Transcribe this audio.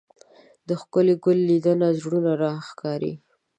د ښکلي ګل لیدل زړونه راښکاري